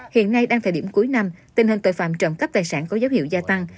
hiện nay đang thời điểm cuối năm tình hình tội phạm trộm cắp tài sản có dấu hiệu gia tăng